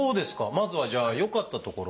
まずはじゃあよかったところは？